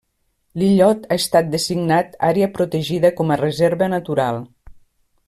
L'illot ha estat designat àrea protegida com a reserva natural.